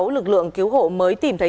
lực lượng cứu hộ mới tìm thấy